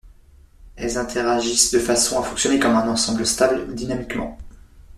Elles interagissent de façon à fonctionner comme un ensemble stable dynamiquement.